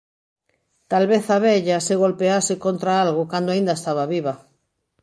Talvez a vella se golpease contra algo cando aínda estaba viva.